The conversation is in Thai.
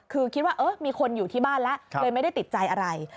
คือคิดว่ามีคนอยู่ที่บ้านแล้วเลยไม่ได้ติดใจอะไร